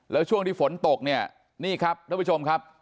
แล้วช่วงที่ฝนตกเนี่ยนี่ครับท่านผู้ชมครับ